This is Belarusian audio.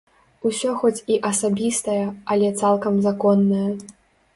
Усё хоць і асабістае, але цалкам законнае.